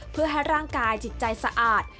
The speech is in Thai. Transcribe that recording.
เพื่อให้ร่างกายจิตใจสะอาด